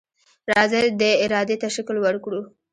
راځئ دې ارادې ته شکل ورکړو.